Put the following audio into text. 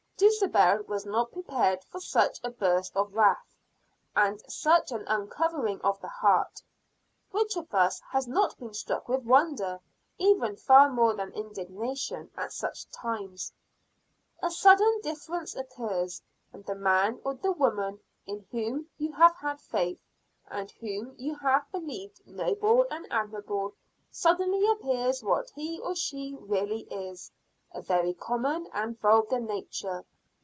Dulcibel was not prepared for such a burst of wrath, and such an uncovering of the heart. Which of us has not been struck with wonder, even far more than indignation, at such times? A sudden difference occurs, and the man or the woman in whom you have had faith, and whom you have believed noble and admirable, suddenly appears what he or she really is, a very common and vulgar nature.